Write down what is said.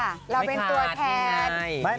ครับเราเป็นตัวแท้หนิอีกหนอง